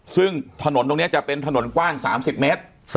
ซึ่งถนนตรงนี้จะเป็นถนนกว้าง๓๐เมตร